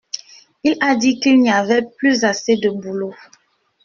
Il a dit qu’il n’y avait plus assez de boulot.